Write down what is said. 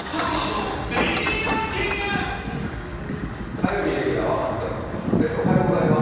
火曜日レギュラーは松田好花さんです。